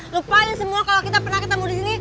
lupain semua kalau kita pernah ketemu di sini